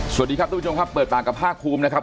สวัสดีครับทุกผู้ชมครับเปิดปากกับภาคภูมินะครับ